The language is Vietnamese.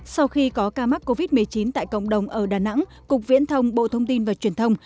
sau khi có ca mắc covid một mươi chín tại cộng đồng ở đà nẵng cục viễn thông bộ thông tin và truyền thông